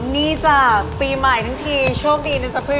นี่จ้าปีใหม่ทั้งทีโชคดีนะจ๊ะเพื่อน